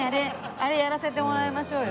あれやらせてもらいましょうよ。